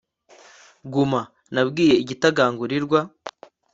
guma, nabwiye igitagangurirwa